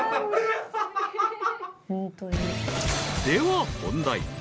［では本題。